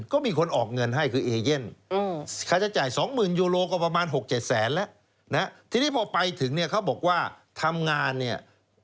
ถูกต้องถูกต้องตามกฎหมาย